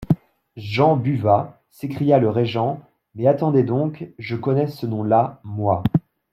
Jean Buvat ! s'écria le régent ; mais attendez donc ! je connais ce nom-là, moi.